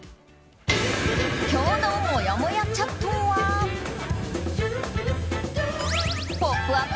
今日のもやもやチャットは「ポップＵＰ！」